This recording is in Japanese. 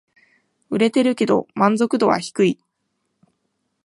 売れてるけど満足度は低い